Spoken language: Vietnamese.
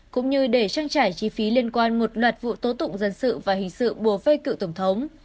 cũng như để trang trải chi phí liên quan một loạt vụ tố tụng dân sự và hình sự bùa vây cựu tổng thống